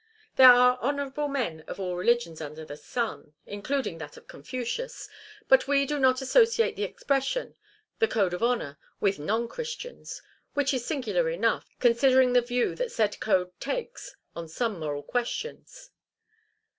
There are honourable men of all religions under the sun, including that of Confucius, but we do not associate the expression 'the code of honour' with non Christians which is singular enough, considering the view the said code takes of some moral questions.